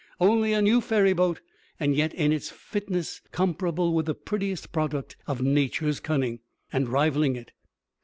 Only a new ferryboat, and yet in its fitness comparable with the prettiest product of Nature's cunning, and rivaling it.